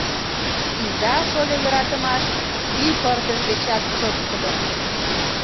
Иза-шольо йӧратымаш кӱ пырдыж дечат чоткыдо.